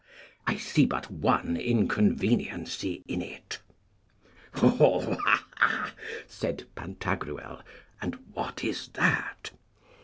I see but one inconveniency in it. Ho, ho, ha, ha, ha! said Pantagruel, and what is that?